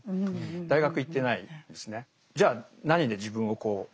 大学行ってないんですね。